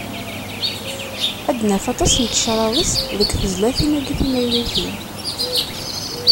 Ad naf aṭas n tecraḍ-is deg tezlatin-agi timaynutin.